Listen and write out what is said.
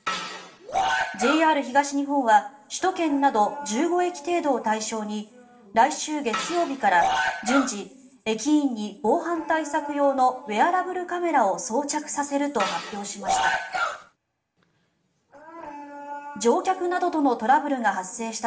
ＪＲ東日本は首都圏など１５駅程度を対象に来週月曜日から順次、駅員に防犯対策用のウェアラブルカメラを装着させると発表しました。